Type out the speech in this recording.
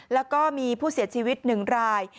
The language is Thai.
แล้วก็มีผู้เสียชีวิต๑ราย